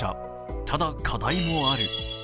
ただ、課題もある。